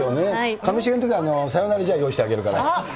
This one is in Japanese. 上重のときはサヨナラ試合用意してあげるから。